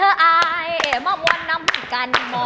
เฮ้ยเล่นตีนละ